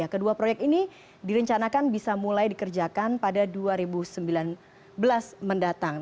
kedua proyek ini direncanakan bisa mulai dikerjakan pada dua ribu sembilan belas mendatang